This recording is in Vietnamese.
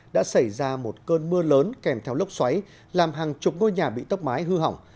đã xảy ra một cơn mưa lớn kèm theo lốc xoáy làm hàng chục ngôi nhà bị tốc mái hư hỏng